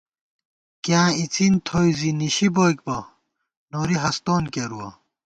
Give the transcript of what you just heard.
کِیاں اِڅِن تھوئی زی نِشی بوئیک بہ، نوری ہستون کېرُوَہ